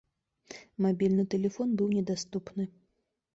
Мабільны тэлефон быў недаступны.